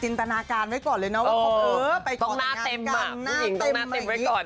จินตนาการไว้ก่อนเลยนะว่าเออไปก่อแต่งงานกันผู้หญิงต้องน่าเต็มไว้ก่อน